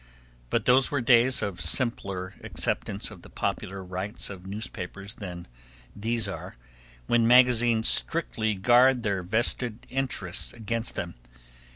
But those were days of simpler acceptance of the popular rights of newspapers than these are, when magazines strictly guard their vested interests against them.